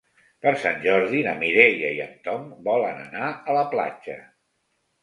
Per Sant Jordi na Mireia i en Tom volen anar a la platja.